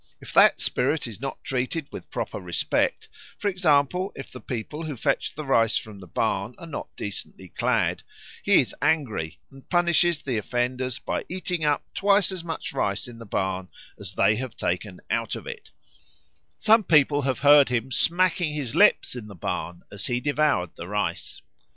If that spirit is not treated with proper respect, for example if the people who fetch rice from the barn are not decently clad, he is angry and punishes the offenders by eating up twice as much rice in the barn as they have taken out of it; some people have heard him smacking his lips in the barn, as he devoured the rice.